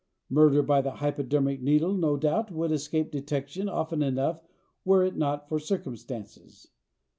Murder by the hypodermic needle, no doubt, would escape detection often enough were it not for circumstances.